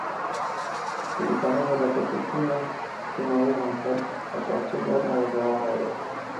Գիլիգանի հետաքրքրությունը կինոյի հանդեպ աջակցում էր նաև նրա հայրը։